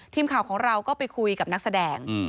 ทีมข่าวของเราก็ไปคุยกับนักแสดง